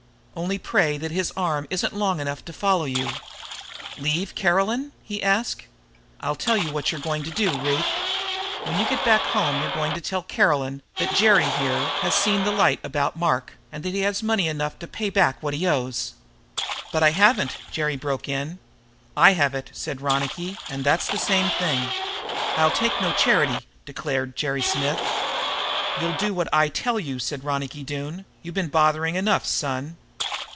Only pray that his arm isn't long enough to follow you." "Leave Caroline?" he asked. "I'll tell you what you're going to do, Ruth. When you get back home you're going to tell Caroline that Jerry, here, has seen the light about Mark, and that he has money enough to pay back what he owes." "But I haven't," broke in Jerry. "I have it," said Ronicky, "and that's the same thing." "I'll take no charity," declared Jerry Smith. "You'll do what I tell you," said Ronicky Doone. "You been bothering enough, son.